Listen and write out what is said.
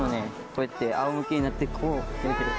こうやってあおむけになってこう寝てる。